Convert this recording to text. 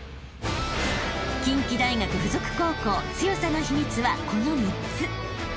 ［近畿大学附属高校強さの秘密はこの３つ］